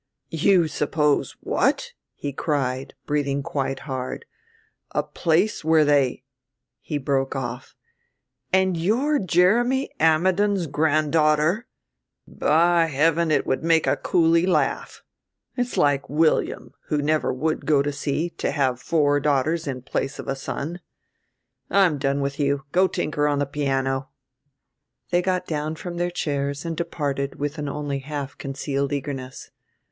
"You suppose what!" he cried, breathing quite hard. "A place where they " he broke off. "And you're Jeremy Ammidon's granddaughter! By heaven, it would make a coolie laugh. It's like William, who never would go to sea, to have four daughters in place of a son. I'm done with you; go tinker on the piano." They got down from their chairs and departed with an only half concealed eagerness.